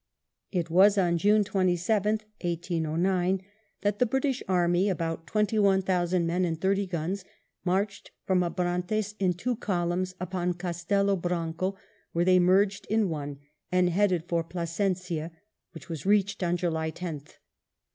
It was on June 27th, 1809, that the British army, about twenty one thousand men and thirty guns, marched from Abrantes in two columns upon Castello Branco, where they merged in one, and headed for Plasencia, which was reached on July 10th.